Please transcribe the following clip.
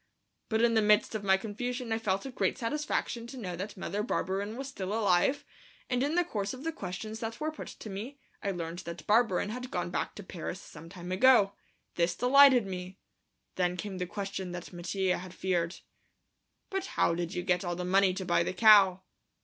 But in the midst of my confusion I felt a great satisfaction to know that Mother Barberin was still alive, and in the course of the questions that were put to me I learned that Barberin had gone back to Paris some time ago. This delighted me. Then came the question that Mattia had feared. "But how did you get all the money to buy the cow?"